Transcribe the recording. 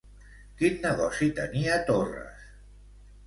Quin negoci tenia Torres?